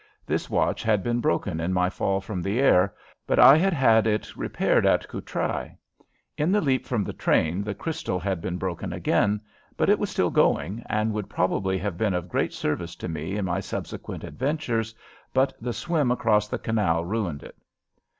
This watch had been broken in my fall from the air, but I had had it repaired at Courtrai. In the leap from the train the crystal had been broken again, but it was still going and would probably have been of great service to me in my subsequent adventures, but the swim across the canal ruined it.